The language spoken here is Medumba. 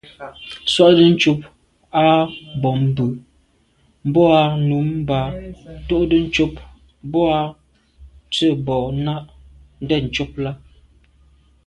(swatəncob à bwôgmbwə̀ mbwɔ̂ α̂ nǔm bα̌ to’tə ncob boὰ tsə̀ bò nâ’ ndɛ̂n ncob lα.